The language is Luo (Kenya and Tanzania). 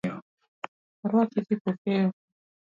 Waruaki Kipokeo.